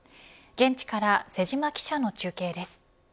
現地から瀬島記者の中継です。